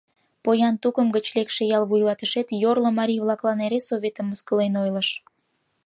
Поян тукым гыч лекше ял вуйлатышет йорло марий-влаклан эре Советым мыскылен ойлыш.